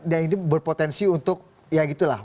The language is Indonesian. yang itu berpotensi untuk ya gitu lah